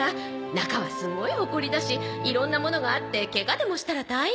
中はすごいホコリだしいろんなものがあってケガでもしたら大変！